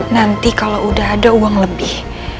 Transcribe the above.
nanti kalau udah ada uang lebih